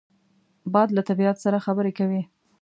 باد له طبیعت سره خبرې کوي